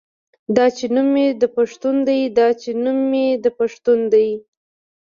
دا چې نوم مې د پښتون دے دا چې نوم مې د پښتون دے